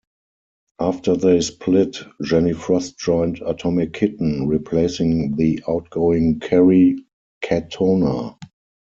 After they split, Jenny Frost joined Atomic Kitten, replacing the outgoing Kerry Katona.